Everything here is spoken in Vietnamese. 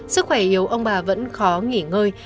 sức khỏe yếu ông bà vẫn khó nghỉ ngơi